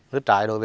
nứt trái đối với